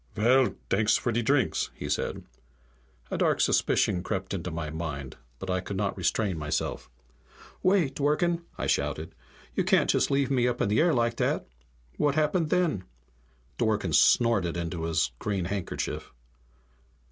"Vell, thanks for de drinks," he said. A dark suspicion crept into my mind, but I could not restrain myself. "Wait, Dworken!" I shouted. "You can't just leave me up in the air like that! What happened then?" Dworken snorted into his green handkerchief.